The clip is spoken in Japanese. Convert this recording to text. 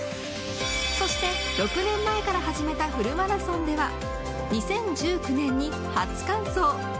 そして、６年前から始めたフルマラソンでは２０１９年に初完走。